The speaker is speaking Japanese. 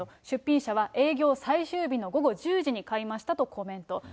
出品者は、営業最終日の午後１０時に買いましたとコメント。